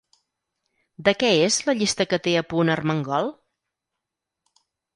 De què és la llista que té a punt Armengol?